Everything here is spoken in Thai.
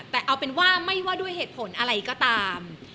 แต่ไม่ว่าด้วยเหตุผลอะไรก็ตาม